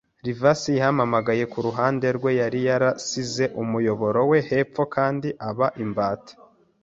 Livesey yampamagaye kuruhande rwe. Yari yarasize umuyoboro we hepfo, kandi aba imbata